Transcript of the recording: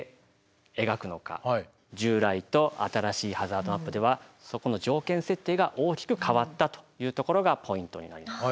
従来と新しいハザードマップではそこの条件設定が大きく変わったというところがポイントになります。